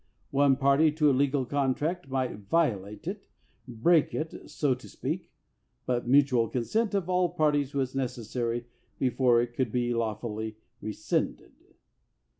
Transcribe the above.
One party to a legal contract might violate it, break it, so to speak; but mutual consent of all the parties was necessary before it could be lawfully rescinded.